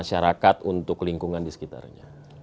seberapa penting sesungguhnya kondisi sungai citarum